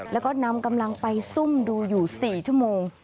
แล้วก็นำกำลังไปซุ่มดูอยู่๔ชั่วโมง